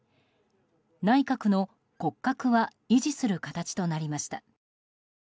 内閣の骨格は維持する形となりました。